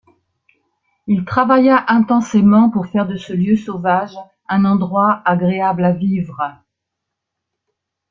Il travailla intensément pour faire de ce lieu sauvage un endroit agréable à vivre.